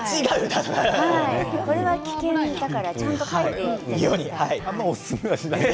これは危険だからちゃんと書いておかないと。